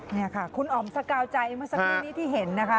นี่ค่ะคุณอ๋อมสกาวใจเมื่อสักครู่นี้ที่เห็นนะคะ